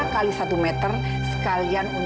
kita sudah taruh